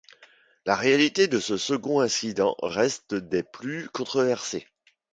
La réalité de ce second incident reste des plus controversées.